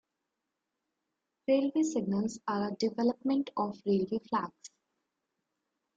Railway signals are a development of railway flags.